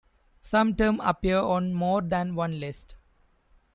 Some terms appear on more than one list.